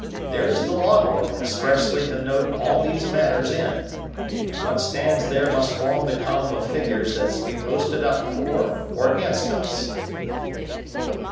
There's the log book expressly to note all these matters in; and what stands there must form the column of figures that's to be posted up for or against us.